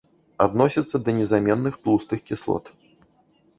Адносіцца да незаменных тлустых кіслот.